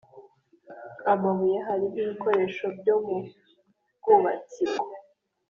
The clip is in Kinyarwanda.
amabuye Hari nkibikoresho byo mu bwubatsiko